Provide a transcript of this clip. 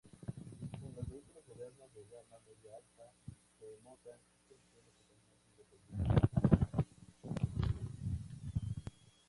En los vehículos modernos de gama media-alta se montan suspensiones totalmente independientes.